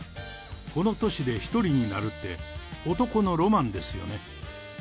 この年で独りになるって、男のロマンですよね。